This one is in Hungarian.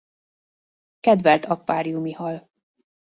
Kedvelt akváriumi hal.